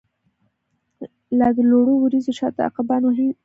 لادلوړو وریځو شاته، عقابان وهی وزری